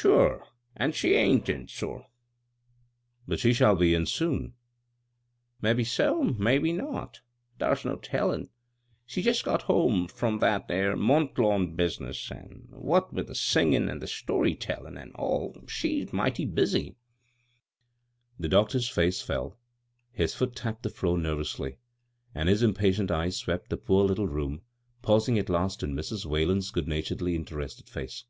" Sure, an' she ain't in, sor." " But she'll be in soon ?"" Mebbe so, an' mebbe not Thar*s no tellin'. She's jest got home from that 'ere Mont Lawn biz'ness, an' what with the singin' an' the story tellin' an' all, she's mighty busy." The doctor's face fell. His foot tapped the floor nervously, and his impatient eyes swept the poor little room, pausing at last on Mrs. Whalen's good naturedly interested face.